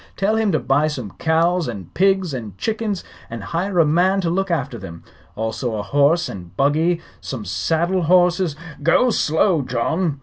Tell him to buy some cows and pigs and chickens, and hire a man to look after them. Also a horse and buggy, some saddle horses " "Go slow, John.